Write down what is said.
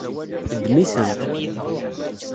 Ddem-itent.